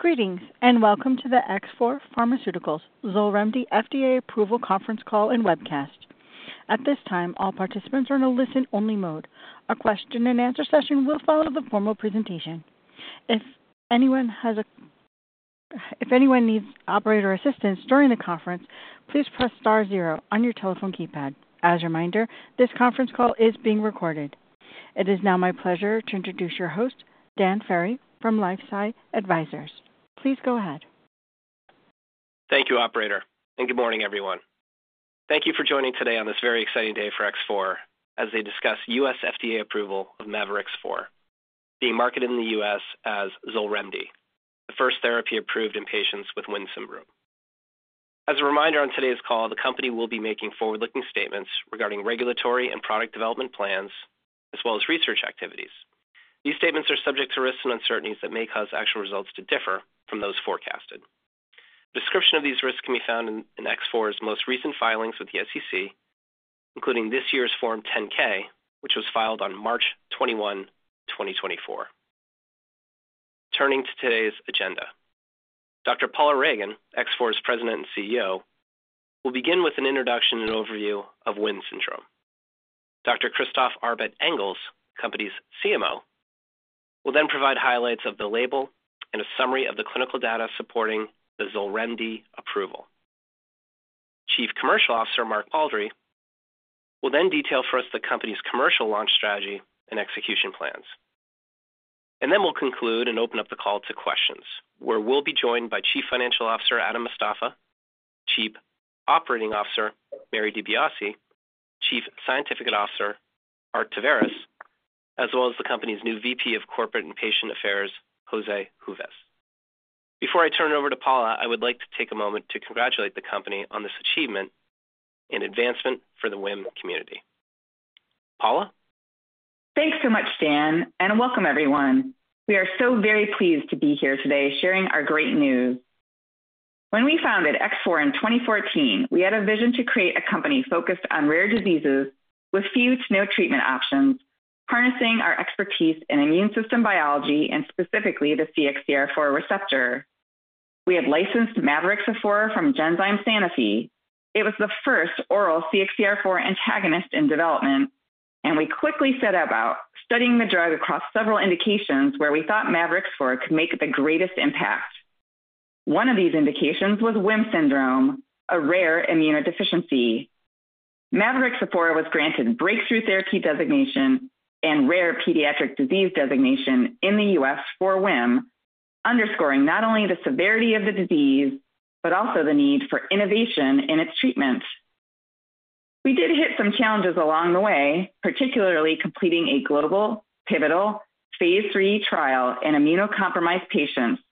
Greetings, and welcome to the X4 Pharmaceuticals XOLREMDI FDA approval conference call and webcast. At this time, all participants are in a listen-only mode. A question and answer session will follow the formal presentation. If anyone needs operator assistance during the conference, please press * zero on your telephone keypad. As a reminder, this conference call is being recorded. It is now my pleasure to introduce your host, Dan Ferry, from LifeSci Advisors. Please go ahead. Thank you, operator, and good morning, everyone. Thank you for joining today on this very exciting day for X4, as they discuss U.S. FDA approval of mavorixafor, being marketed in the U.S. as XOLREMDI, the first therapy approved in patients with WHIM syndrome. As a reminder, on today's call, the company will be making forward-looking statements regarding regulatory and product development plans, as well as research activities. These statements are subject to risks and uncertainties that may cause actual results to differ from those forecasted. Description of these risks can be found in X4's most recent filings with the SEC, including this year's Form 10-K, which was filed on March 21, 2024. Turning to today's agenda. Dr. Paula Ragan, X4's President and CEO, will begin with an introduction and overview of WHIM syndrome. Dr. Christophe Arbet-Engels, company's CMO, will then provide highlights of the label and a summary of the clinical data supporting the XOLREMDI approval. Chief Commercial Officer, Mark Baldry, will then detail for us the company's commercial launch strategy and execution plans. Then we'll conclude and open up the call to questions, where we'll be joined by Chief Financial Officer, Adam Mostafa, Chief Operating Officer, Mary DiBiase, Chief Scientific Officer, Art Taveras, as well as the company's new VP of Corporate and Patient Affairs, Jose Juves. Before I turn it over to Paula, I would like to take a moment to congratulate the company on this achievement in advancement for the WHIM community. Paula? Thanks so much, Dan, and welcome everyone. We are so very pleased to be here today sharing our great news. When we founded X4 in 2014, we had a vision to create a company focused on rare diseases with few to no treatment options, harnessing our expertise in immune system biology and specifically the CXCR4 receptor. We had licensed mavorixafor from Genzyme Sanofi. It was the first oral CXCR4 antagonist in development, and we quickly set about studying the drug across several indications where we thought mavorixafor could make the greatest impact. One of these indications was WHIM syndrome, a rare immunodeficiency. mavorixafor was granted breakthrough therapy designation and rare pediatric disease designation in the U.S. for WHIM, underscoring not only the severity of the disease, but also the need for innovation in its treatment. We did hit some challenges along the way, particularly completing a global, pivotal phase 3 trial in immunocompromised patients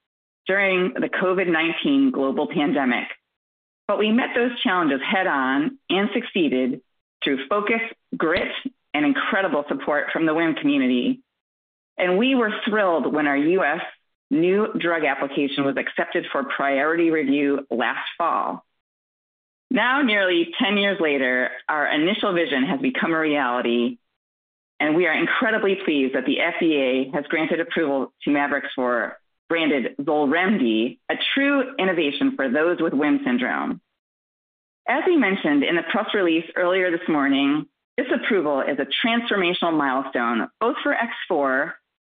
during the COVID-19 global pandemic. But we met those challenges head-on and succeeded through focus, grit, and incredible support from the WHIM community. And we were thrilled when our U.S. new drug application was accepted for priority review last fall. Now, nearly 10 years later, our initial vision has become a reality, and we are incredibly pleased that the FDA has granted approval to mavorixafor, branded XOLREMDI, a true innovation for those with WHIM syndrome. As we mentioned in a press release earlier this morning, this approval is a transformational milestone, both for X4,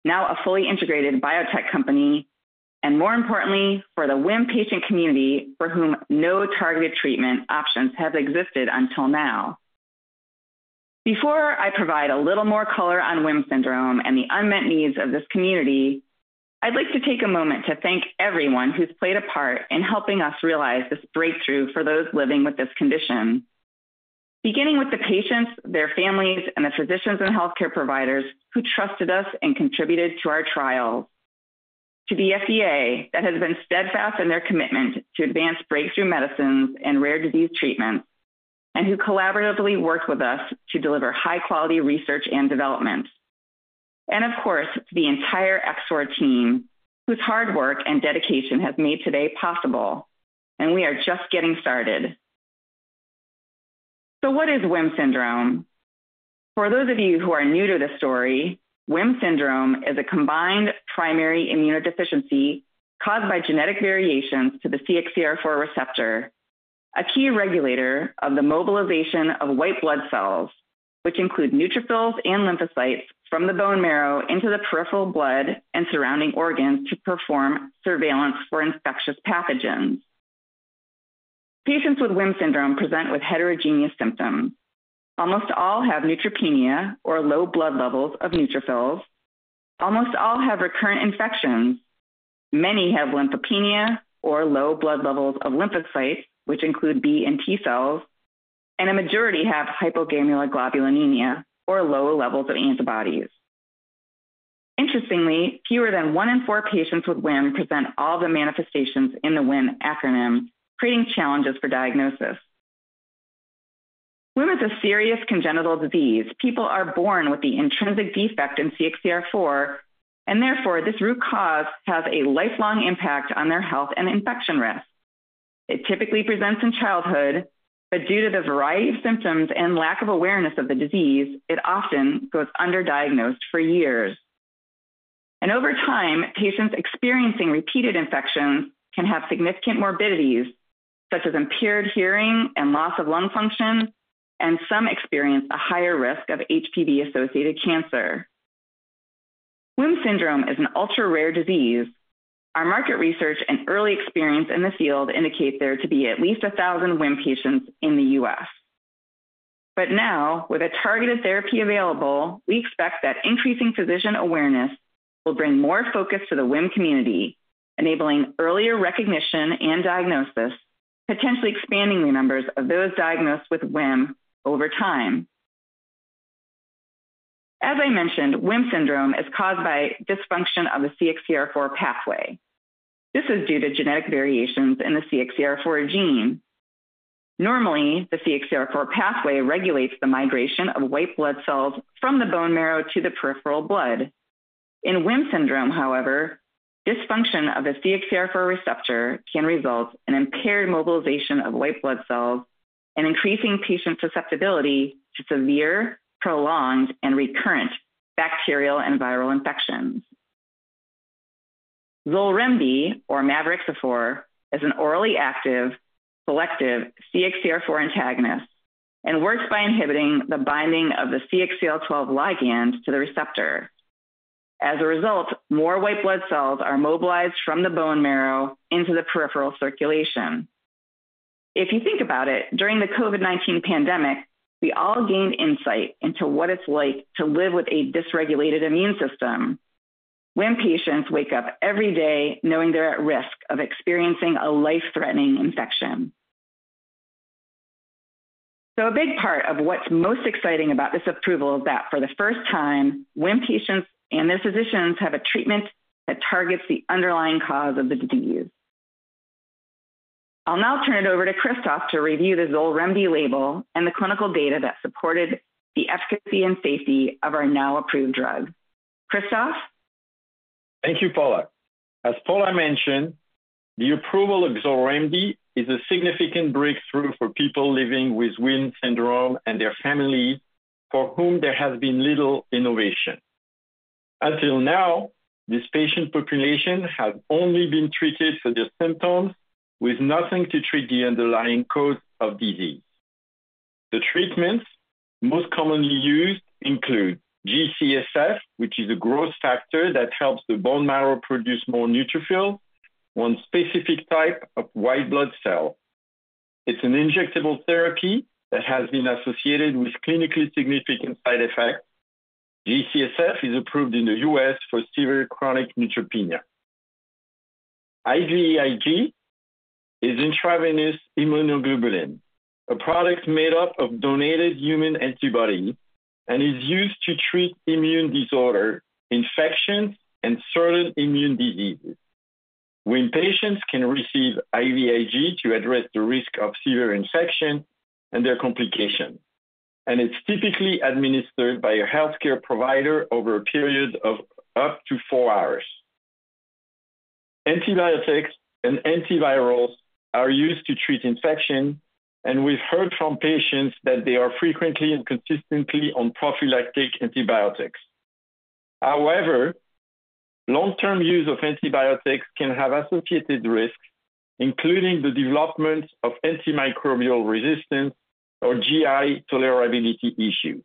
now a fully integrated biotech company, and more importantly, for the WHIM patient community, for whom no targeted treatment options have existed until now. Before I provide a little more color on WHIM Syndrome and the unmet needs of this community, I'd like to take a moment to thank everyone who's played a part in helping us realize this breakthrough for those living with this condition. Beginning with the patients, their families, and the physicians and healthcare providers who trusted us and contributed to our trials. To the FDA, that has been steadfast in their commitment to advance breakthrough medicines and rare disease treatments, and who collaboratively worked with us to deliver high-quality research and development. And of course, the entire X4 team, whose hard work and dedication has made today possible, and we are just getting started. So what is WHIM Syndrome? For those of you who are new to this story, WHIM Syndrome is a combined primary immunodeficiency caused by genetic variations to the CXCR4 receptor, a key regulator of the mobilization of white blood cells, which include neutrophils and lymphocytes from the bone marrow into the peripheral blood and surrounding organs to perform surveillance for infectious pathogens. Patients with WHIM Syndrome present with heterogeneous symptoms. Almost all have neutropenia or low blood levels of neutrophils. Almost all have recurrent infections. Many have lymphopenia, or low blood levels of lymphocytes, which include B and T cells, and a majority have hypogammaglobulinemia, or low levels of antibodies. Interestingly, fewer than one in four patients with WHIM present all the manifestations in the WHIM acronym, creating challenges for diagnosis. WHIM is a serious congenital disease. People are born with the intrinsic defect in CXCR4, and therefore, this root cause has a lifelong impact on their health and infection risk.... It typically presents in childhood, but due to the variety of symptoms and lack of awareness of the disease, it often goes underdiagnosed for years. Over time, patients experiencing repeated infections can have significant morbidities, such as impaired hearing and loss of lung function, and some experience a higher risk of HPV-associated cancer. WHIM syndrome is an ultra-rare disease. Our market research and early experience in the field indicate there to be at least 1,000 WHIM patients in the U.S. Now, with a targeted therapy available, we expect that increasing physician awareness will bring more focus to the WHIM community, enabling earlier recognition and diagnosis, potentially expanding the numbers of those diagnosed with WHIM over time. As I mentioned, WHIM syndrome is caused by dysfunction of the CXCR4 pathway. This is due to genetic variations in the CXCR4 gene. Normally, the CXCR4 pathway regulates the migration of white blood cells from the bone marrow to the peripheral blood. In WHIM syndrome, however, dysfunction of the CXCR4 receptor can result in impaired mobilization of white blood cells and increasing patient susceptibility to severe, prolonged, and recurrent bacterial and viral infections. XOLREMDI, or mavorixafor, is an orally active, selective CXCR4 antagonist and works by inhibiting the binding of the CXCL12 ligand to the receptor. As a result, more white blood cells are mobilized from the bone marrow into the peripheral circulation. If you think about it, during the COVID-19 pandemic, we all gained insight into what it's like to live with a dysregulated immune system. WHIM patients wake up every day knowing they're at risk of experiencing a life-threatening infection. So a big part of what's most exciting about this approval is that for the first time, WHIM patients and their physicians have a treatment that targets the underlying cause of the disease. I'll now turn it over to Christophe to review the XOLREMDI label and the clinical data that supported the efficacy and safety of our now approved drug. Christophe? Thank you, Paula. As Paula mentioned, the approval of XOLREMDI is a significant breakthrough for people living with WHIM syndrome and their family, for whom there has been little innovation. Until now, this patient population has only been treated for their symptoms, with nothing to treat the underlying cause of disease. The treatments most commonly used include G-CSF, which is a growth factor that helps the bone marrow produce more neutrophils, one specific type of white blood cell. It's an injectable therapy that has been associated with clinically significant side effects. G-CSF is approved in the U.S. for severe chronic neutropenia. IVIG is intravenous immunoglobulin, a product made up of donated human antibodies and is used to treat immune disorder, infections, and certain immune diseases. WHIM patients can receive IVIG to address the risk of severe infection and their complications, and it's typically administered by a healthcare provider over a period of up to four hours. Antibiotics and antivirals are used to treat infection, and we've heard from patients that they are frequently and consistently on prophylactic antibiotics. However, long-term use of antibiotics can have associated risks, including the development of antimicrobial resistance or GI tolerability issues.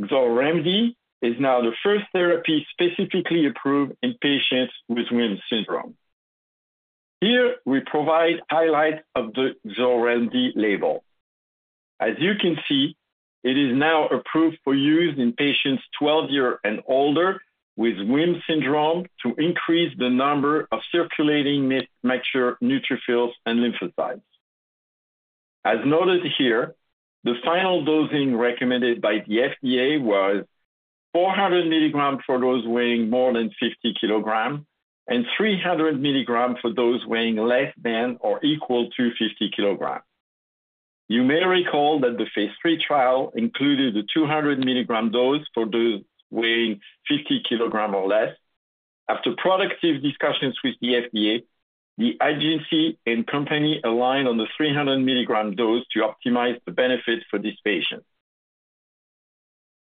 XOLREMDI is now the first therapy specifically approved in patients with WHIM syndrome. Here, we provide highlights of the XOLREMDI label. As you can see, it is now approved for use in patients 12 years and older with WHIM syndrome to increase the number of circulating mature neutrophils and lymphocytes. As noted here, the final dosing recommended by the FDA was 400 milligrams for those weighing more than 50 kilograms, and 300 milligrams for those weighing less than or equal to 50 kilograms. You may recall that the phase 3 trial included a 200 milligram dose for those weighing 50 kilograms or less. After productive discussions with the FDA, the agency and company aligned on the 300 milligram dose to optimize the benefit for these patients.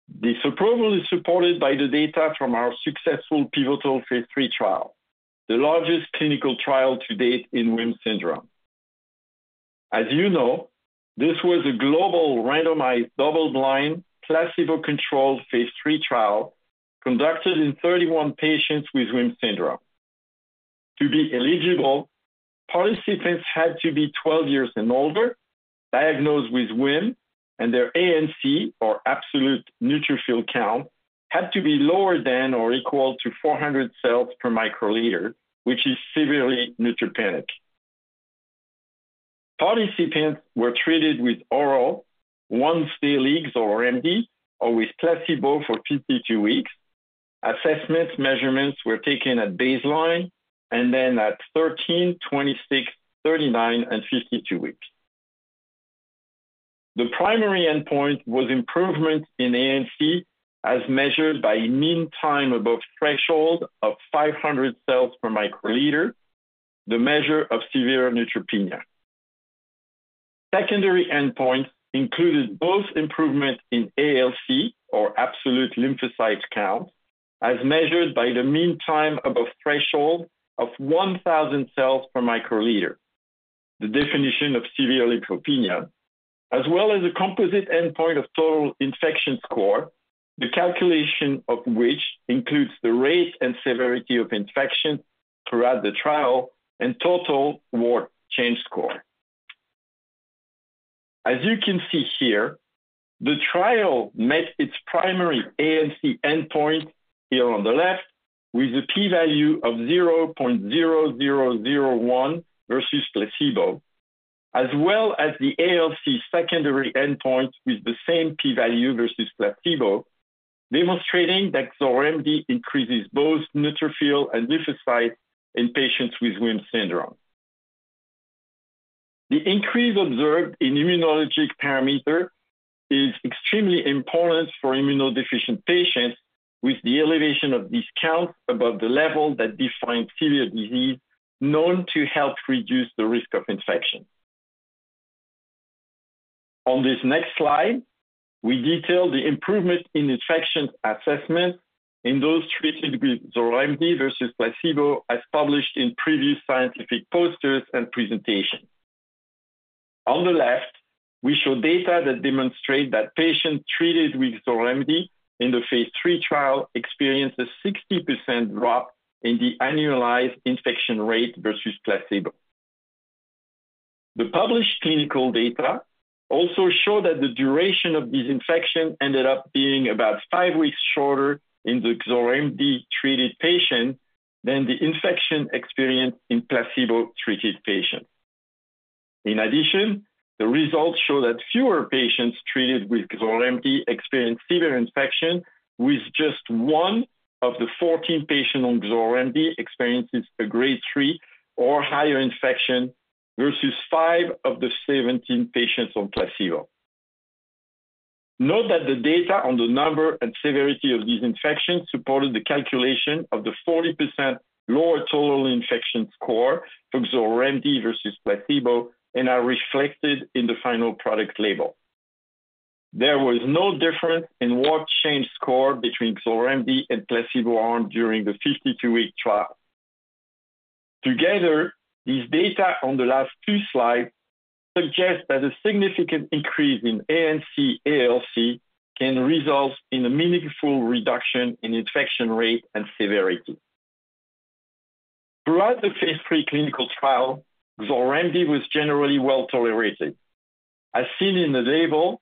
This approval is supported by the data from our successful pivotal phase 3 trial, the largest clinical trial to date in WHIM Syndrome. As you know, this was a global randomized, double-blind, placebo-controlled phase 3 trial conducted in 31 patients with WHIM Syndrome. To be eligible, participants had to be 12 years and older, diagnosed with WHIM, and their ANC, or absolute neutrophil count, had to be lower than or equal to 400 cells per microliter, which is severely neutropenic. Participants were treated with oral once-daily XOLREMDI or with placebo for 52 weeks. Assessment measurements were taken at baseline and then at 13, 26, 39, and 52 weeks. The primary endpoint was improvement in ANC, as measured by mean time above threshold of 500 cells per microliter, the measure of severe neutropenia. Secondary endpoint included both improvement in ALC, or absolute lymphocyte count, as measured by the mean time above threshold of 1,000 cells per microliter. The definition of severe lymphopenia, as well as a composite endpoint of total infection score, the calculation of which includes the rate and severity of infection throughout the trial and total wart change score. As you can see here, the trial met its primary ANC endpoint here on the left, with a p-value of 0.0001 versus placebo, as well as the ALC secondary endpoint with the same p-value versus placebo, demonstrating that XOLREMDI increases both neutrophil and lymphocyte in patients with WHIM syndrome. The increase observed in immunologic parameter is extremely important for immunodeficient patients with the elevation of these counts above the level that defines severe disease, known to help reduce the risk of infection. On this next slide, we detail the improvement in infection assessment in those treated with XOLREMDI versus placebo, as published in previous scientific posters and presentations. On the left, we show data that demonstrate that patients treated with XOLREMDI in the phase 3 trial experienced a 60% drop in the annualized infection rate versus placebo. The published clinical data also show that the duration of this infection ended up being about 5 weeks shorter in the XOLREMDI-treated patient than the infection experienced in placebo-treated patients. In addition, the results show that fewer patients treated with XOLREMDI experienced severe infection, with just 1 of the 14 patients on XOLREMDI experiences a grade 3 or higher infection, versus 5 of the 17 patients on placebo. Note that the data on the number and severity of these infections supported the calculation of the 40% lower total infection score from XOLREMDI versus placebo and are reflected in the final product label. There was no difference in wart change score between XOLREMDI and placebo arm during the 52-week trial. Together, these data on the last two slides suggest that a significant increase in ANC, ALC can result in a meaningful reduction in infection rate and severity. Throughout the phase 3 clinical trial, XOLREMDI was generally well tolerated. As seen in the label,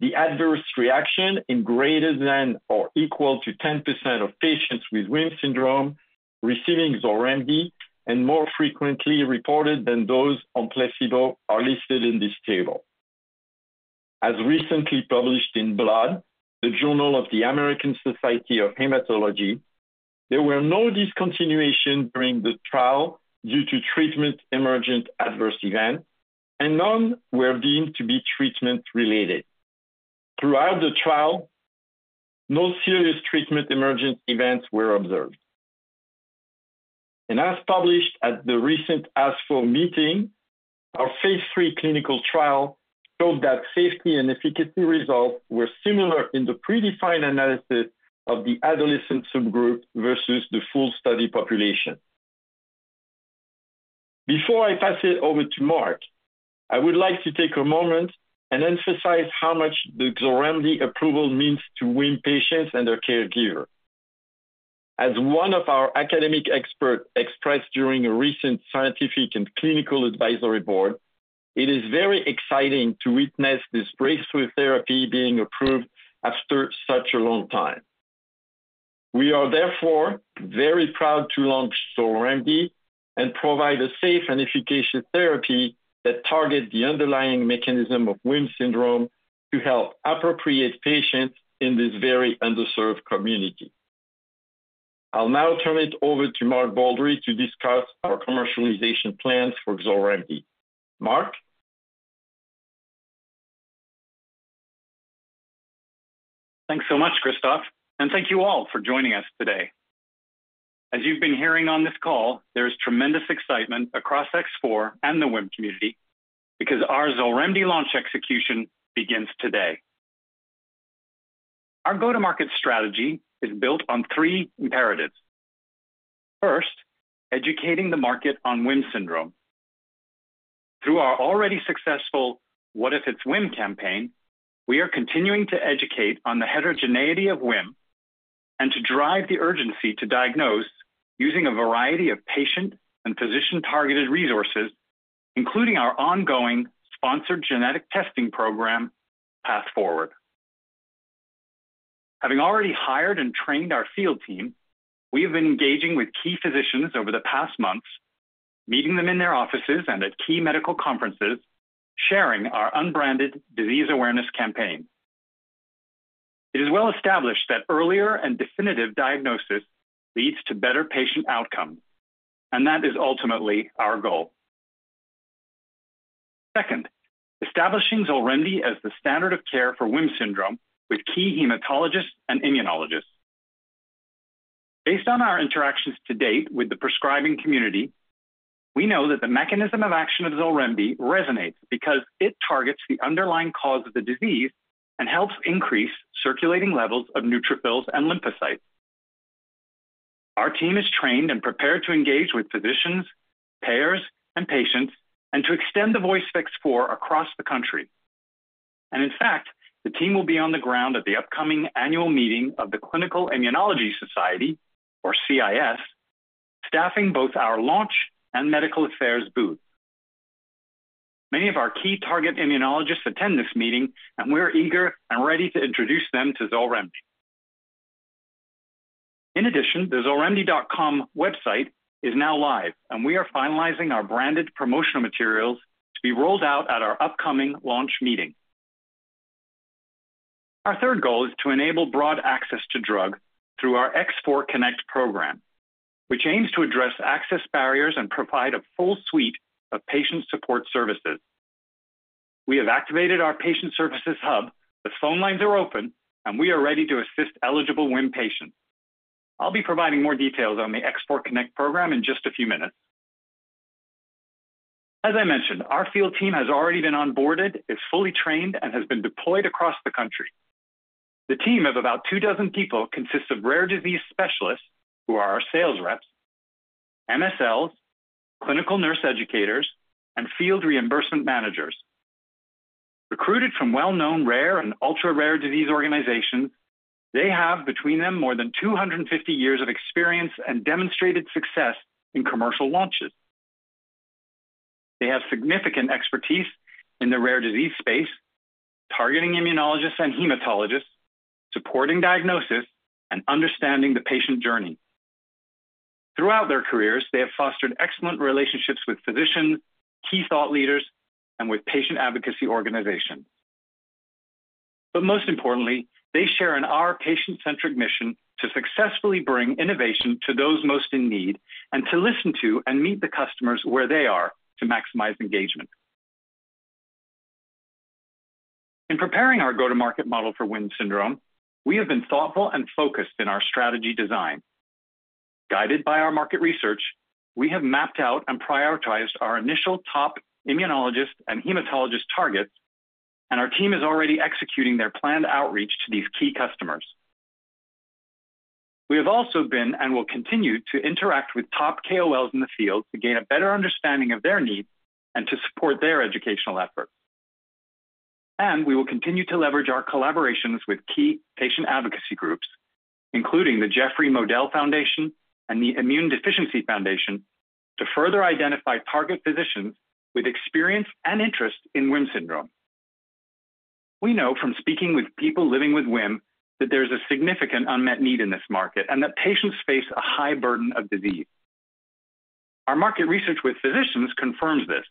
the adverse reactions in greater than or equal to 10% of patients with WHIM syndrome receiving XOLREMDI and more frequently reported than those on placebo are listed in this table. As recently published in Blood, the Journal of the American Society of Hematology, there were no discontinuations during the trial due to treatment-emergent adverse events, and none were deemed to be treatment-related. Throughout the trial, no serious treatment-emergent events were observed. As published at the recent ASCO meeting, our phase 3 clinical trial showed that safety and efficacy results were similar in the predefined analysis of the adolescent subgroup versus the full study population. Before I pass it over to Mark, I would like to take a moment and emphasize how much the XOLREMDI approval means to WHIM patients and their caregiver. As one of our academic expert expressed during a recent scientific and clinical advisory board, "It is very exciting to witness this breakthrough therapy being approved after such a long time." We are therefore very proud to launch XOLREMDI and provide a safe and efficacious therapy that targets the underlying mechanism of WHIM syndrome to help appropriate patients in this very underserved community. I'll now turn it over to Mark Baldry to discuss our commercialization plans for XOLREMDI. Mark? Thanks so much, Christophe, and thank you all for joining us today. As you've been hearing on this call, there is tremendous excitement across X4 and the WHIM community because our XOLREMDI launch execution begins today. Our go-to-market strategy is built on three imperatives. First, educating the market on WHIM syndrome. Through our already successful What If It's WHIM campaign, we are continuing to educate on the heterogeneity of WHIM and to drive the urgency to diagnose using a variety of patient and physician-targeted resources, including our ongoing sponsored genetic testing program, Path Forward. Having already hired and trained our field team, we have been engaging with key physicians over the past months, meeting them in their offices and at key medical conferences, sharing our unbranded disease awareness campaign. It's well-established that earlier and definitive diagnosis leads to better patient outcome, and that is ultimately our goal. Second, establishing XOLREMDI as the standard of care for WHIM syndrome with key hematologists and immunologists. Based on our interactions to date with the prescribing community, we know that the mechanism of action of XOLREMDI resonates because it targets the underlying cause of the disease and helps increase circulating levels of neutrophils and lymphocytes. Our team is trained and prepared to engage with physicians, payers, and patients and to extend the voice of X4 across the country. And in fact, the team will be on the ground at the upcoming annual meeting of the Clinical Immunology Society, or CIS, staffing both our launch and medical affairs booth. Many of our key target immunologists attend this meeting, and we're eager and ready to introduce them to XOLREMDI. In addition, the xolremdi.com website is now live, and we are finalizing our branded promotional materials to be rolled out at our upcoming launch meeting. Our third goal is to enable broad access to drug through our X4 Connect program, which aims to address access barriers and provide a full suite of patient support services. We have activated our patient services hub, the phone lines are open, and we are ready to assist eligible WHIM patients. I'll be providing more details on the X4 Connect program in just a few minutes. As I mentioned, our field team has already been onboarded, is fully trained, and has been deployed across the country. The team of about two dozen people consists of rare disease specialists, who are our sales reps, MSLs, clinical nurse educators, and field reimbursement managers. Recruited from well-known, rare, and ultra-rare disease organizations, they have between them more than 250 years of experience and demonstrated success in commercial launches. They have significant expertise in the rare disease space, targeting immunologists and hematologists, supporting diagnosis, and understanding the patient journey. Throughout their careers, they have fostered excellent relationships with physicians, key thought leaders, and with patient advocacy organizations. But most importantly, they share in our patient-centric mission to successfully bring innovation to those most in need and to listen to and meet the customers where they are to maximize engagement. In preparing our go-to-market model for WHIM syndrome, we have been thoughtful and focused in our strategy design. Guided by our market research, we have mapped out and prioritized our initial top immunologist and hematologist targets, and our team is already executing their planned outreach to these key customers. We have also been and will continue to interact with top KOLs in the field to gain a better understanding of their needs and to support their educational efforts. We will continue to leverage our collaborations with key patient advocacy groups, including the Jeffrey Modell Foundation and the Immune Deficiency Foundation, to further identify target physicians with experience and interest in WHIM syndrome. We know from speaking with people living with WHIM, that there's a significant unmet need in this market and that patients face a high burden of disease. Our market research with physicians confirms this,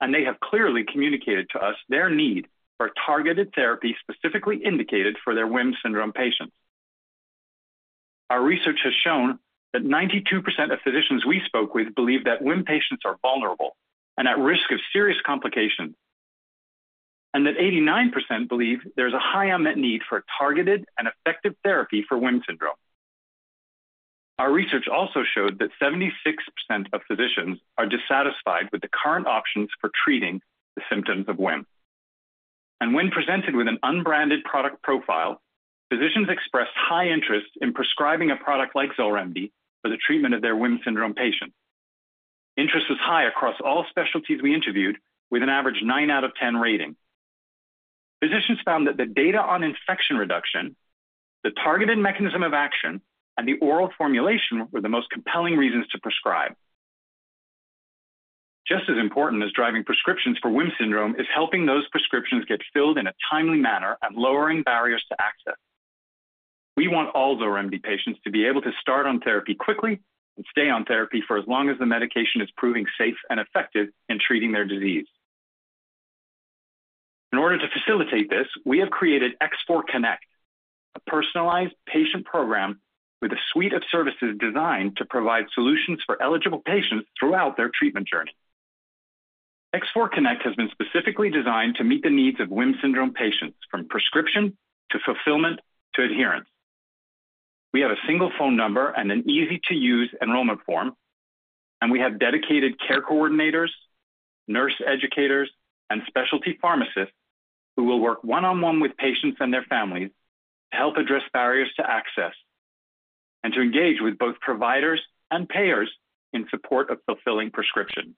and they have clearly communicated to us their need for targeted therapy, specifically indicated for their WHIM syndrome patients. Our research has shown that 92% of physicians we spoke with believe that WHIM patients are vulnerable and at risk of serious complications, and that 89% believe there's a high unmet need for targeted and effective therapy for WHIM syndrome. Our research also showed that 76% of physicians are dissatisfied with the current options for treating the symptoms of WHIM. And when presented with an unbranded product profile, physicians expressed high interest in prescribing a product like XOLREMDI for the treatment of their WHIM syndrome patients. Interest was high across all specialties we interviewed, with an average 9 out of 10 rating. Physicians found that the data on infection reduction, the targeted mechanism of action, and the oral formulation were the most compelling reasons to prescribe. Just as important as driving prescriptions for WHIM syndrome is helping those prescriptions get filled in a timely manner and lowering barriers to access. We want all XOLREMDI patients to be able to start on therapy quickly and stay on therapy for as long as the medication is proving safe and effective in treating their disease. In order to facilitate this, we have created X4 Connect, a personalized patient program with a suite of services designed to provide solutions for eligible patients throughout their treatment journey. X4 Connect has been specifically designed to meet the needs of WHIM syndrome patients, from prescription to fulfillment to adherence. We have a single phone number and an easy-to-use enrollment form, and we have dedicated care coordinators, nurse educators, and specialty pharmacists who will work one-on-one with patients and their families to help address barriers to access and to engage with both providers and payers in support of fulfilling prescription.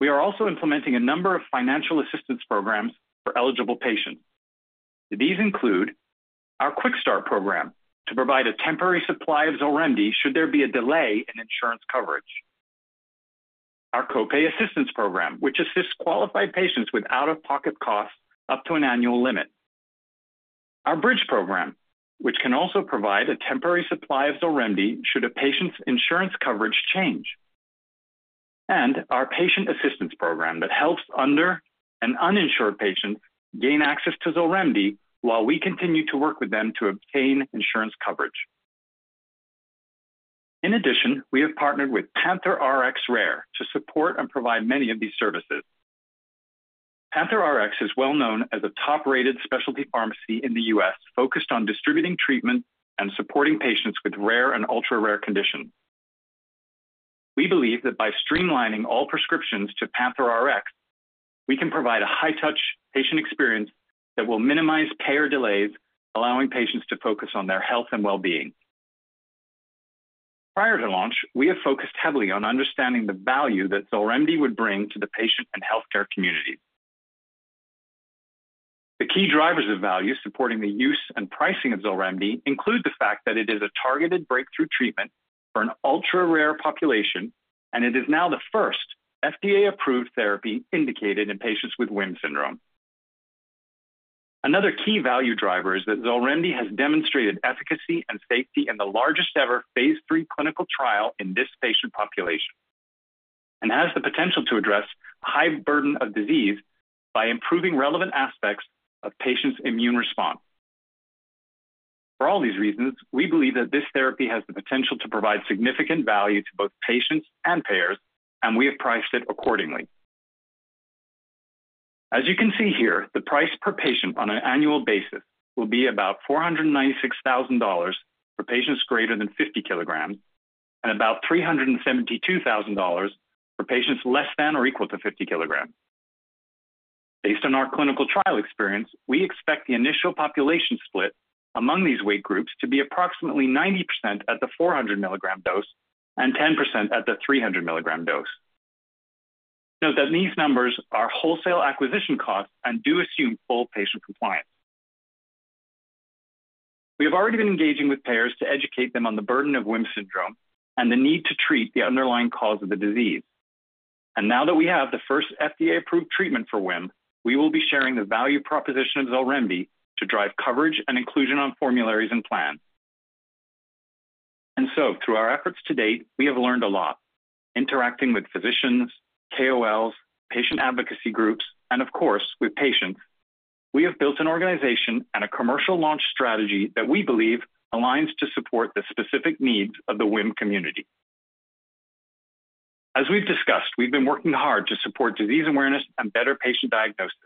We are also implementing a number of financial assistance programs for eligible patients. These include our Quick Start program to provide a temporary supply of XOLREMDI, should there be a delay in insurance coverage. Our co-pay assistance program, which assists qualified patients with out-of-pocket costs up to an annual limit. Our Bridge program, which can also provide a temporary supply of XOLREMDI, should a patient's insurance coverage change, and our patient assistance program that helps under- and uninsured patients gain access to XOLREMDI while we continue to work with them to obtain insurance coverage. In addition, we have partnered with PANTHERx Rare to support and provide many of these services. Panther Rx is well known as a top-rated specialty pharmacy in the U.S., focused on distributing treatment and supporting patients with rare and ultra-rare conditions. We believe that by streamlining all prescriptions to Panther Rx, we can provide a high-touch patient experience that will minimize payer delays, allowing patients to focus on their health and well-being. Prior to launch, we have focused heavily on understanding the value that XOLREMDI would bring to the patient and healthcare community. The key drivers of value supporting the use and pricing of XOLREMDI include the fact that it is a targeted breakthrough treatment for an ultra-rare population, and it is now the first FDA-approved therapy indicated in patients with WHIM syndrome. Another key value driver is that XOLREMDI has demonstrated efficacy and safety in the largest-ever phase 3 clinical trial in this patient population, and has the potential to address high burden of disease by improving relevant aspects of patients' immune response. For all these reasons, we believe that this therapy has the potential to provide significant value to both patients and payers, and we have priced it accordingly. As you can see here, the price per patient on an annual basis will be about $496,000 for patients greater than 50 kilograms, and about $372,000 for patients less than or equal to 50 kilograms. Based on our clinical trial experience, we expect the initial population split among these weight groups to be approximately 90% at the 400 milligram dose and 10% at the 300 milligram dose. Note that these numbers are wholesale acquisition costs and do assume full patient compliance. We have already been engaging with payers to educate them on the burden of WHIM syndrome and the need to treat the underlying cause of the disease. Now that we have the first FDA-approved treatment for WHIM, we will be sharing the value proposition of XOLREMDI to drive coverage and inclusion on formularies and plans. Through our efforts to date, we have learned a lot. Interacting with physicians, KOLs, patient advocacy groups, and of course, with patients, we have built an organization and a commercial launch strategy that we believe aligns to support the specific needs of the WHIM community. As we've discussed, we've been working hard to support disease awareness and better patient diagnosis.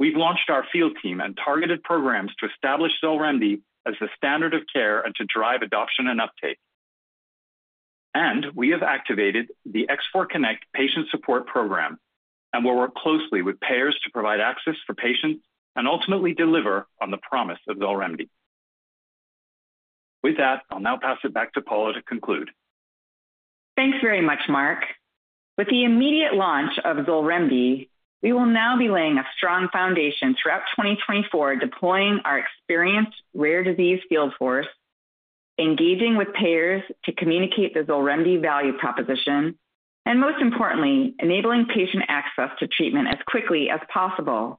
We've launched our field team and targeted programs to establish XOLREMDI as the standard of care and to drive adoption and uptake. We have activated the X4 Connect patient support program, and we'll work closely with payers to provide access for patients and ultimately deliver on the promise of XOLREMDI. With that, I'll now pass it back to Paula to conclude. Thanks very much, Mark. With the immediate launch of XOLREMDI, we will now be laying a strong foundation throughout 2024, deploying our experienced rare disease field force, engaging with payers to communicate the XOLREMDI value proposition, and most importantly, enabling patient access to treatment as quickly as possible.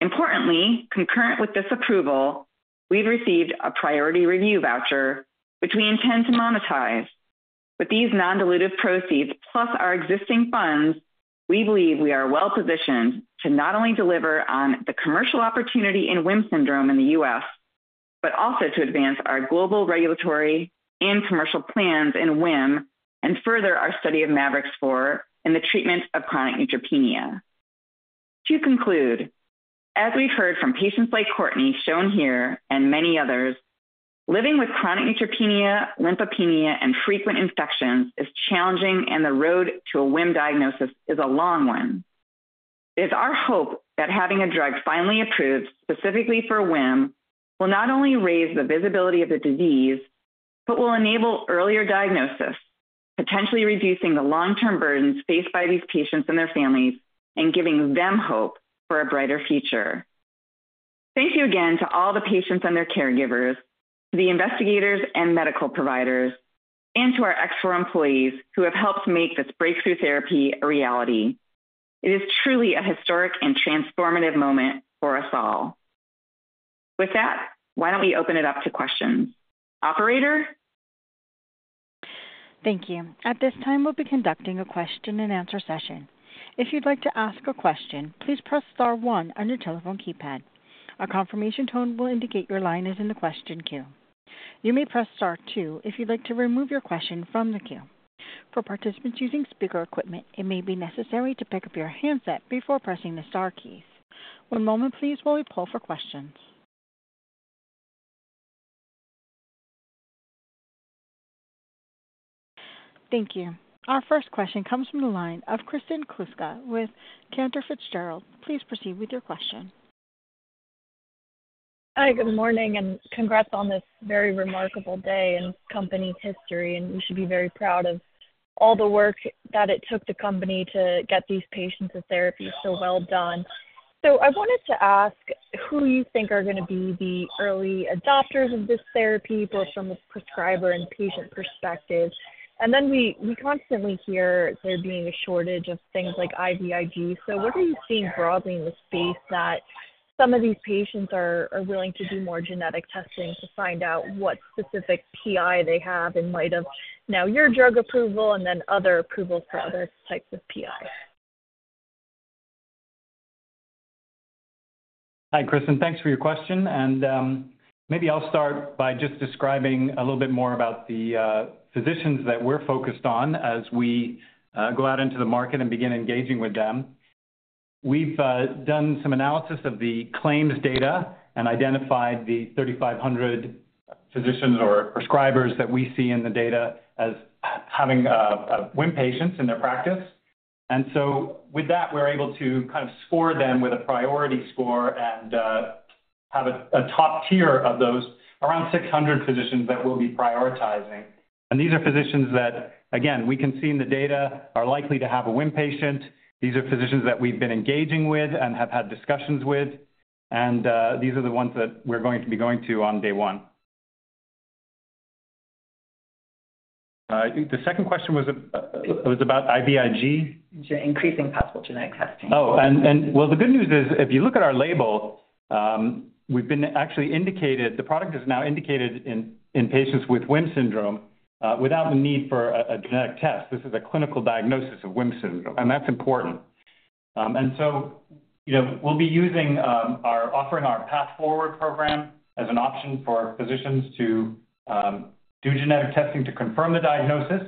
Importantly, concurrent with this approval, we've received a priority review voucher, which we intend to monetize. With these non-dilutive proceeds, plus our existing funds, we believe we are well-positioned to not only deliver on the commercial opportunity in WHIM syndrome in the U.S., but also to advance our global regulatory and commercial plans in WHIM and further our study of mavorixafor in the treatment of chronic neutropenia. To conclude, as we've heard from patients like Courtney, shown here, and many others, living with chronic neutropenia, lymphopenia, and frequent infections is challenging, and the road to a WHIM diagnosis is a long one. It's our hope that having a drug finally approved specifically for WHIM will not only raise the visibility of the disease, but will enable earlier diagnosis, potentially reducing the long-term burdens faced by these patients and their families and giving them hope for a brighter future. Thank you again to all the patients and their caregivers, the investigators and medical providers, and to our X4 employees who have helped make this breakthrough therapy a reality. It is truly a historic and transformative moment for us all. With that, why don't we open it up to questions? Operator? Thank you. At this time, we'll be conducting a question-and-answer session. If you'd like to ask a question, please press * one on your telephone keypad. A confirmation tone will indicate your line is in the question queue. You may press * two if you'd like to remove your question from the queue. For participants using speaker equipment, it may be necessary to pick up your handset before pressing the * keys. One moment, please, while we pull for questions. Thank you. Our first question comes from the line of Kristen Kluska with Cantor Fitzgerald. Please proceed with your question. Hi, good morning, and congrats on this very remarkable day in company history, and you should be very proud of all the work that it took the company to get these patients the therapy, so well done. So I wanted to ask who you think are going to be the early adopters of this therapy, both from a prescriber and patient perspective? And then we, we constantly hear there being a shortage of things like IVIG. So what are you seeing broadly in the space that... some of these patients are, are willing to do more genetic testing to find out what specific PI they have in light of now your drug approval and then other approvals for other types of PIs? Hi, Kristen. Thanks for your question. Maybe I'll start by just describing a little bit more about the physicians that we're focused on as we go out into the market and begin engaging with them. We've done some analysis of the claims data and identified the 3,500 physicians or prescribers that we see in the data as having WHIM patients in their practice. And so with that, we're able to kind of score them with a priority score and have a top tier of those, around 600 physicians that we'll be prioritizing. And these are physicians that, again, we can see in the data are likely to have a WHIM patient. These are physicians that we've been engaging with and have had discussions with, and these are the ones that we're going to be going to on day one. The second question was about IVIG? Increasing possible genetic testing. Oh, well, the good news is, if you look at our label, we've been actually indicated, the product is now indicated in patients with WHIM syndrome, without the need for a genetic test. This is a clinical diagnosis of WHIM syndrome, and that's important. And so, you know, we'll be offering our Path Forward program as an option for physicians to do genetic testing to confirm the diagnosis,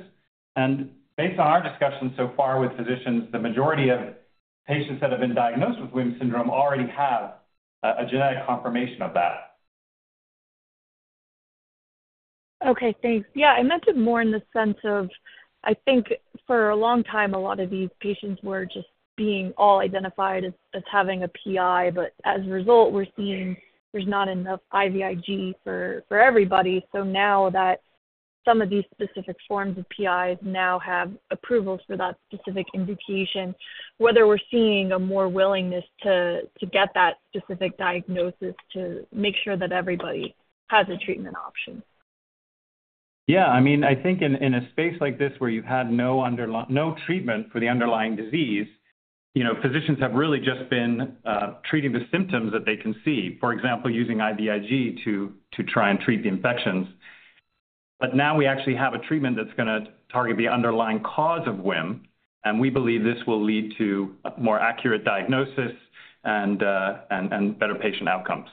and based on our discussions so far with physicians, the majority of patients that have been diagnosed with WHIM syndrome already have a genetic confirmation of that. Okay, thanks. Yeah, I meant it more in the sense of, I think for a long time, a lot of these patients were just being all identified as having a PI, but as a result, we're seeing there's not enough IVIG for everybody. So now that some of these specific forms of PIs now have approvals for that specific indication, whether we're seeing a more willingness to get that specific diagnosis to make sure that everybody has a treatment option? Yeah. I mean, I think in, in a space like this, where you've had no treatment for the underlying disease, you know, physicians have really just been treating the symptoms that they can see. For example, using IVIG to try and treat the infections. But now we actually have a treatment that's gonna target the underlying cause of WHIM, and we believe this will lead to a more accurate diagnosis and better patient outcomes.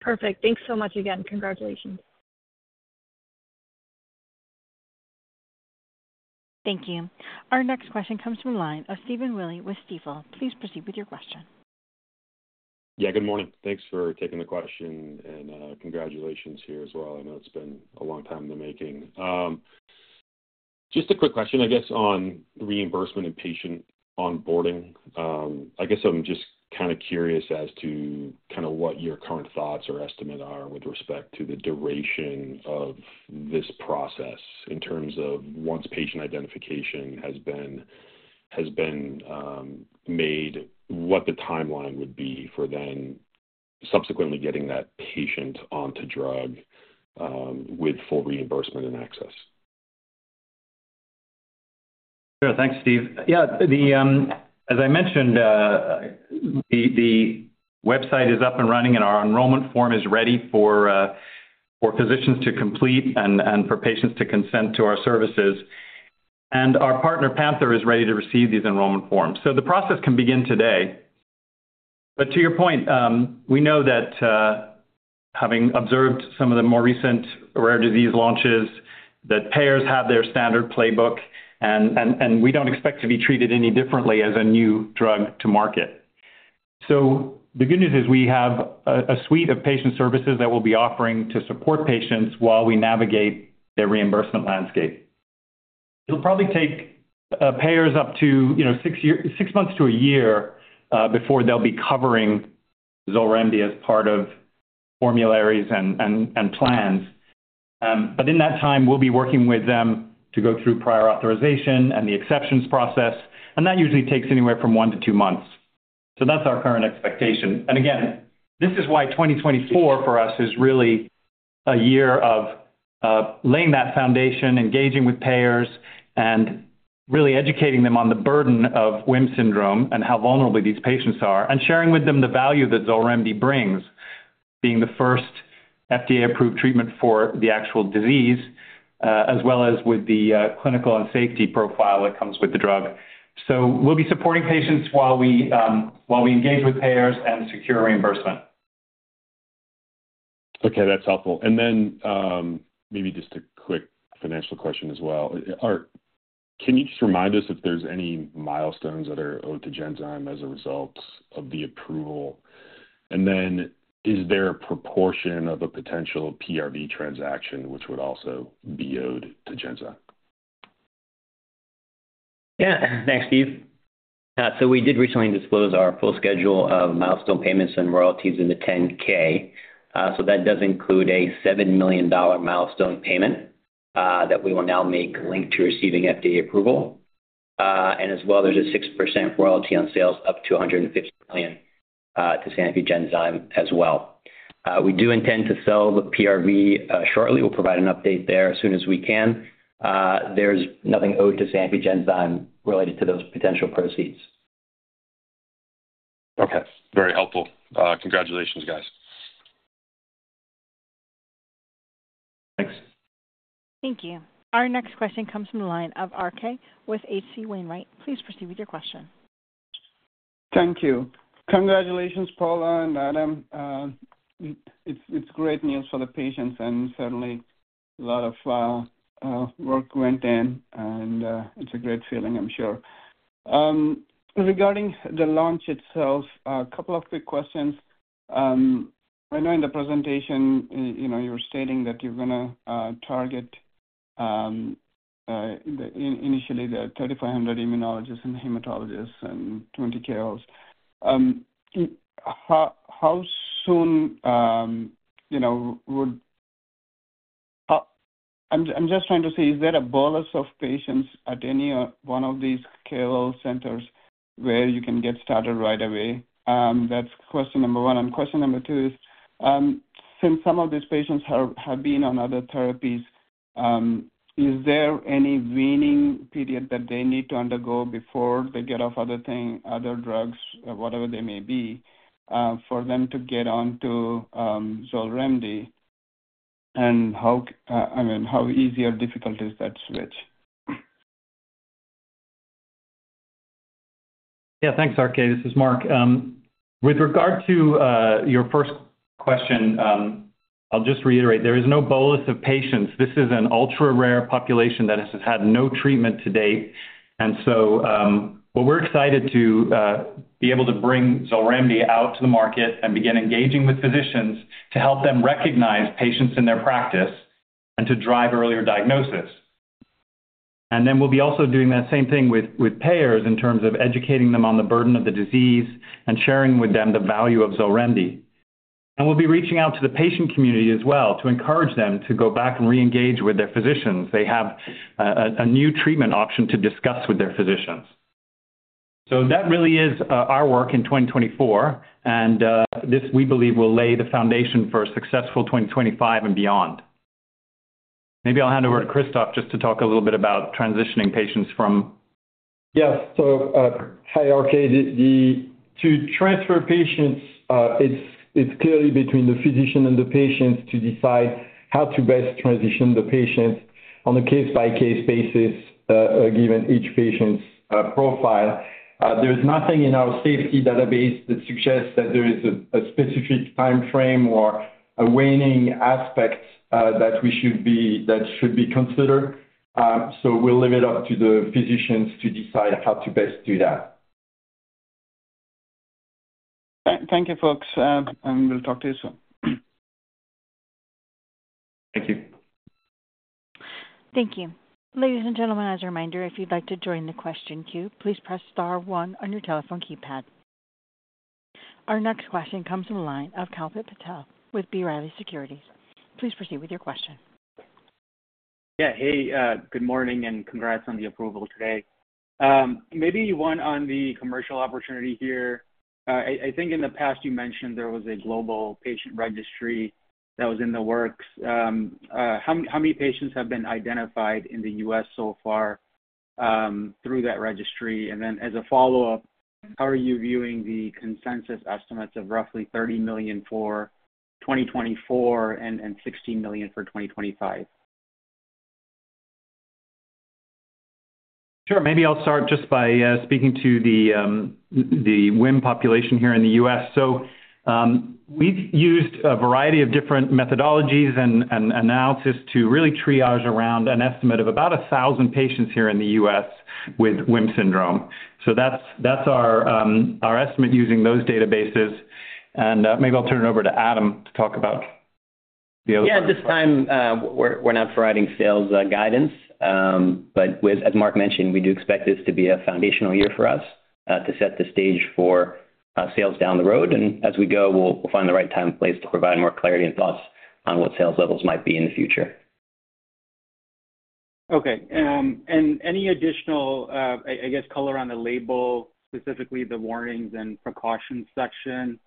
Perfect. Thanks so much again. Congratulations. Thank you. Our next question comes from the line of Stephen Willey with Stifel. Please proceed with your question. Yeah, good morning. Thanks for taking the question, and congratulations here as well. I know it's been a long time in the making. Just a quick question, I guess, on reimbursement and patient onboarding. I guess I'm just kind of curious as to kind of what your current thoughts or estimate are with respect to the duration of this process in terms of once patient identification has been made, what the timeline would be for then subsequently getting that patient onto drug, with full reimbursement and access? Sure. Thanks, Steve. Yeah, as I mentioned, the website is up and running, and our enrollment form is ready for physicians to complete and for patients to consent to our services. And our partner, Panther, is ready to receive these enrollment forms. So the process can begin today. But to your point, we know that, having observed some of the more recent rare disease launches, that payers have their standard playbook, and we don't expect to be treated any differently as a new drug to market. So the good news is we have a suite of patient services that we'll be offering to support patients while we navigate the reimbursement landscape. It'll probably take payers up to, you know, 6 months to a year before they'll be covering XOLREMDI as part of formularies and plans. But in that time, we'll be working with them to go through prior authorization and the exceptions process, and that usually takes anywhere from 1 to 2 months. So that's our current expectation. And again, this is why 2024 for us is really a year of laying that foundation, engaging with payers, and really educating them on the burden of WHIM syndrome and how vulnerable these patients are, and sharing with them the value that XOLREMDI brings, being the first FDA-approved treatment for the actual disease, as well as with the clinical and safety profile that comes with the drug. So we'll be supporting patients while we engage with payers and secure reimbursement. Okay, that's helpful. And then, maybe just a quick financial question as well. Can you just remind us if there's any milestones that are owed to Genzyme as a result of the approval? And then is there a proportion of a potential PRV transaction which would also be owed to Genzyme? Yeah. Thanks, Steve. So we did recently disclose our full schedule of milestone payments and royalties in the 10-K. So that does include a $7 million milestone payment that we will now make linked to receiving FDA approval. And as well, there's a 6% royalty on sales up to $150 million to Sanofi Genzyme as well. We do intend to sell the PRV shortly. We'll provide an update there as soon as we can. There's nothing owed to Sanofi Genzyme related to those potential proceeds. Okay, very helpful. Congratulations, guys. Thanks. Thank you. Our next question comes from the line of Raghuram Selvaraju with H.C. Wainwright. Please proceed with your question. Thank you. Congratulations, Paula and Adam. It's great news for the patients, and certainly a lot of work went in, and it's a great feeling, I'm sure. Regarding the launch itself, a couple of quick questions. I know in the presentation, you know, you were stating that you're gonna target initially the 3,500 immunologists and hematologists and 20 KOLs. How soon, you know, would. I'm just trying to say: Is there a bolus of patients at any one of these KOL centers where you can get started right away? That's question number one. Question number 2 is, since some of these patients have been on other therapies, is there any weaning period that they need to undergo before they get off other drugs, whatever they may be, for them to get onto XOLREMDI? How, I mean, how easy or difficult is that switch? Yeah, thanks, RK. This is Mark. With regard to your first question, I'll just reiterate, there is no bolus of patients. This is an ultra-rare population that has had no treatment to date. And so, well, we're excited to be able to bring XOLREMDI out to the market and begin engaging with physicians to help them recognize patients in their practice and to drive earlier diagnosis. And then we'll be also doing that same thing with payers in terms of educating them on the burden of the disease and sharing with them the value of XOLREMDI. And we'll be reaching out to the patient community as well to encourage them to go back and reengage with their physicians. They have a new treatment option to discuss with their physicians. So that really is our work in 2024, and this, we believe, will lay the foundation for a successful 2025 and beyond. Maybe I'll hand over to Christophe just to talk a little bit about transitioning patients from- Yes. So, hi, RK. To transfer patients, it's clearly between the physician and the patients to decide how to best transition the patients on a case-by-case basis, given each patient's profile. There's nothing in our safety database that suggests that there is a specific time frame or a waning aspect that should be considered. So we'll leave it up to the physicians to decide how to best do that. Thank you, folks, and we'll talk to you soon. Thank you. Thank you. Ladies and gentlemen, as a reminder, if you'd like to join the question queue, please press * one on your telephone keypad. Our next question comes from the line of Kalpit Patel with B. Riley Securities. Please proceed with your question. Yeah. Hey, good morning, and congrats on the approval today. Maybe one on the commercial opportunity here. I think in the past you mentioned there was a global patient registry that was in the works. How many patients have been identified in the U.S. so far through that registry? And then, as a follow-up, how are you viewing the consensus estimates of roughly $30 million for 2024 and $16 million for 2025? Sure. Maybe I'll start just by speaking to the WHIM population here in the U.S. So, we've used a variety of different methodologies and analysis to really triage around an estimate of about 1,000 patients here in the U.S. with WHIM syndrome. So that's our estimate using those databases. And, maybe I'll turn it over to Adam to talk about the other- Yeah, at this time, we're not providing sales guidance. But with... As Mark mentioned, we do expect this to be a foundational year for us, to set the stage for sales down the road. And as we go, we'll find the right time and place to provide more clarity and thoughts on what sales levels might be in the future. Okay, and any additional, I guess, color on the label, specifically the warnings and precautions section?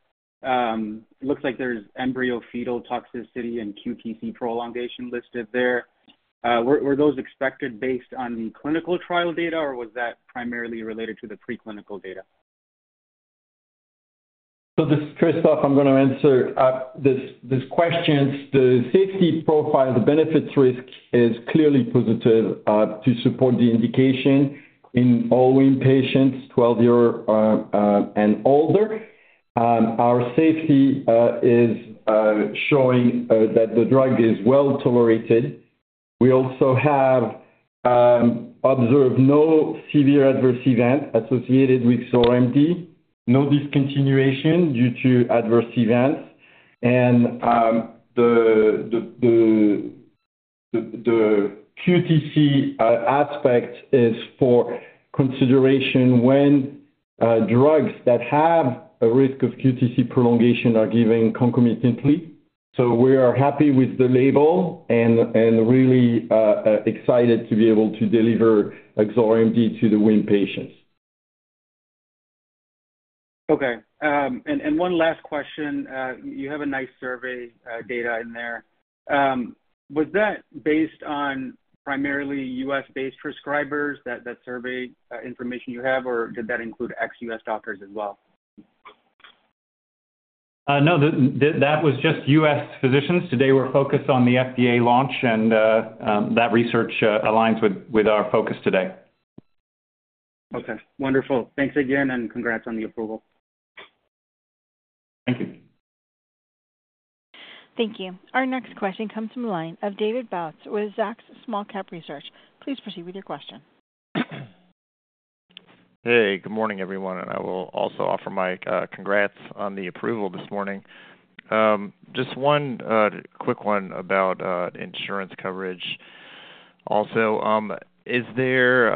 It looks like there's embryo-fetal toxicity and QTc prolongation listed there. Were those expected based on the clinical trial data, or was that primarily related to the preclinical data? This is Christophe. I'm going to answer these questions. The safety profile, the benefit risk, is clearly positive to support the indication in all WHIM patients 12 years and older. Our safety is showing that the drug is well tolerated. We also have observed no severe adverse event associated with XOLREMDI, no discontinuation due to adverse events, and the QTc aspect is for consideration when drugs that have a risk of QTc prolongation are given concomitantly. ... So we are happy with the label and really excited to be able to deliver XOLREMDI to the WHIM patients. Okay. And one last question. You have a nice survey data in there. Was that based on primarily U.S.-based prescribers, that survey information you have, or did that include ex-U.S. doctors as well? No, that was just U.S. physicians. Today, we're focused on the FDA launch, and that research aligns with our focus today. Okay, wonderful. Thanks again, and congrats on the approval. Thank you. Thank you. Our next question comes from the line of David Bautz with Zacks Small Cap Research. Please proceed with your question. Hey, good morning, everyone, and I will also offer my congrats on the approval this morning. Just one quick one about insurance coverage also. Is there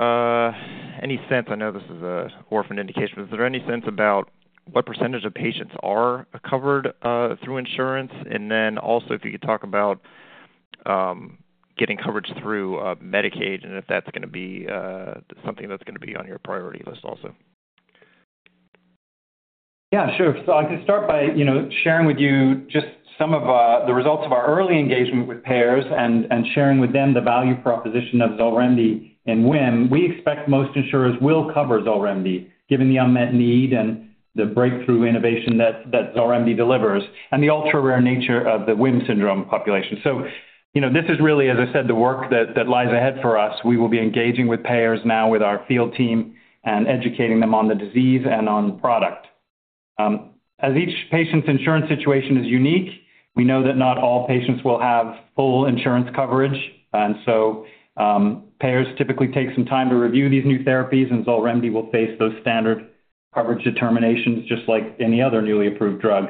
any sense... I know this is an orphan indication, but is there any sense about what percentage of patients are covered through insurance? And then also, if you could talk about getting coverage through Medicaid, and if that's gonna be something that's gonna be on your priority list also. Yeah, sure. So I can start by, you know, sharing with you just some of the results of our early engagement with payers and sharing with them the value proposition of XOLREMDI in WHIM. We expect most insurers will cover XOLREMDI, given the unmet need and the breakthrough innovation that XOLREMDI delivers, and the ultra-rare nature of the WHIM syndrome population. So, you know, this is really, as I said, the work that lies ahead for us. We will be engaging with payers now with our field team and educating them on the disease and on product. As each patient's insurance situation is unique, we know that not all patients will have full insurance coverage, and so payers typically take some time to review these new therapies, and XOLREMDI will face those standard coverage determinations just like any other newly approved drug.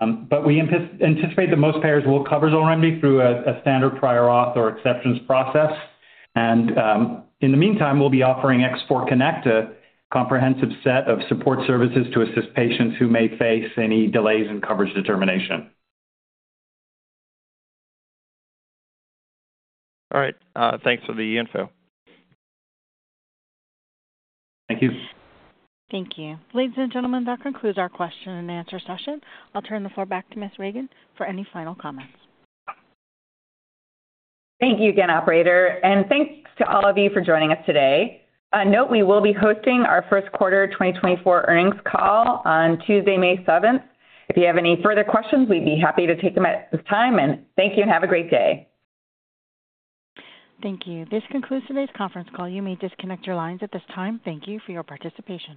But we anticipate that most payers will cover XOLREMDI through a standard prior auth or exceptions process. And, in the meantime, we'll be offering X4 Connect, a comprehensive set of support services to assist patients who may face any delays in coverage determination. All right, thanks for the info. Thank you. Thank you. Ladies and gentlemen, that concludes our question-and-answer session. I'll turn the floor back to Ms. Ragan for any final comments. Thank you again, operator, and thanks to all of you for joining us today. A note, we will be hosting our first quarter 2024 earnings call on Tuesday, May seventh. If you have any further questions, we'd be happy to take them at this time, and thank you, and have a great day. Thank you. This concludes today's conference call. You may disconnect your lines at this time. Thank you for your participation.